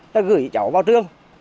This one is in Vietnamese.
ta gửi cháu vào trường